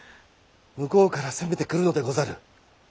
向こうから攻めてくるのでござる。